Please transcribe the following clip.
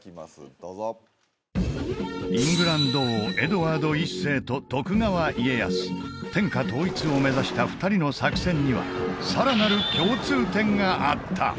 どうぞイングランド王エドワード１世と徳川家康天下統一を目指した２人の作戦にはさらなる共通点があった！